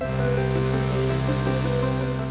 akses jalannya ke sana